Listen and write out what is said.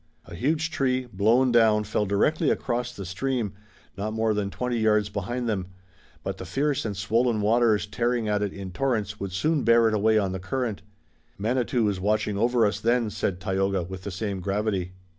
A huge tree, blown down, fell directly across the stream, not more than twenty yards behind them. But the fierce and swollen waters tearing at it in torrents would soon bear it away on the current. "Manitou was watching over us then," said Tayoga with the same gravity.